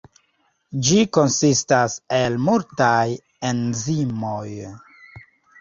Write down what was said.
Ĝi konsistas el multaj enzimoj.